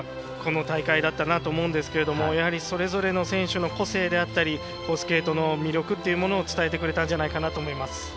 この大会だったなと思うんですけれどもそれぞれの選手の個性だったりスケートの魅力を伝えてくれたんじゃないかなと思います。